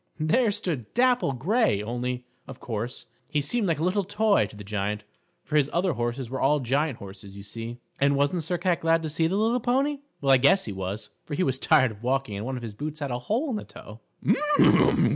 There stood Dapple Gray, only, of course, he seemed like a little toy to the Giant, for his other horses were all giant horses, you see. And wasn't Sir Cat glad to see the little pony? Well, I guess he was, for he was tired walking and one of his boots had a hole in the toe.